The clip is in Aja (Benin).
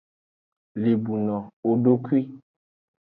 Lebuno wodokwi.